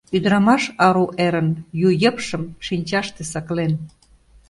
Ӱдырамаш Ару эрын ю йыпшым шинчаште саклен.